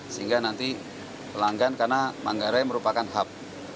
sehingga nanti pelanggan karena manggarai merupakan hub